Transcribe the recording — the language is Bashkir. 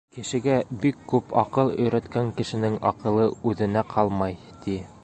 Кешегә бик күп аҡыл өйрәткән кешенең аҡылы үҙенә ҡалмай, ти.